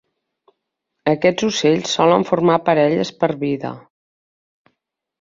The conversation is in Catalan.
Aquests ocells solen formar parelles per vida.